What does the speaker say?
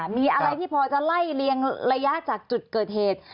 มีอะไรที่พอจะไล่เลียงระยะจากจุดเกิดเหตุ